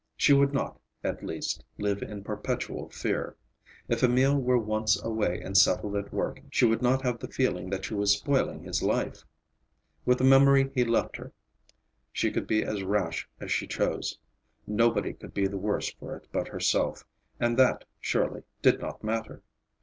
She would not, at least, live in perpetual fear. If Emil were once away and settled at work, she would not have the feeling that she was spoiling his life. With the memory he left her, she could be as rash as she chose. Nobody could be the worse for it but herself; and that, surely, did not matter.